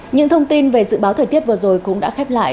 những thông tin về dự báo thời tiết vừa rồi cũng đã khép lại